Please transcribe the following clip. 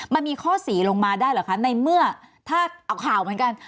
มันมีข้อสี่ลงมาได้เหรอคะในเมื่อถ้าเอาข่าวเหมือนกัน